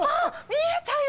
見えたよ！